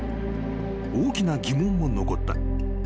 ［大きな疑問も残った］